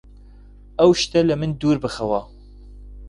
ئەو شتە لە من دوور بخەوە!